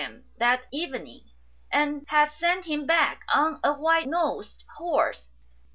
147 him that evening, and had sent him back on a white nosed horse.